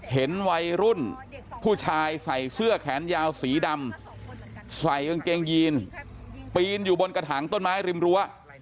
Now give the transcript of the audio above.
เห็นวัยรุ่นผู้ชายใส่เสื้อแขนยาวสีดำใส่กางเกงยีนปีนอยู่บนกระถางต้นไม้ริมรั้ว